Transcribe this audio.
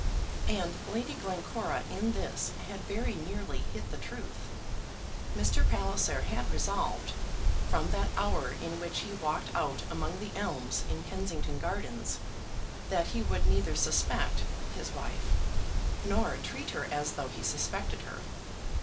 And Lady Glencora in this had very nearly hit the truth. Mr. Palliser had resolved, from that hour in which he had walked out among the elms in Kensington Gardens, that he would neither suspect his wife, nor treat her as though he suspected her.